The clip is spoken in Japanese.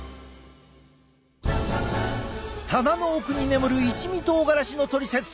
棚の奥に眠る一味とうがらしのトリセツ。